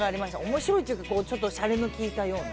面白いというかしゃれのきいたような。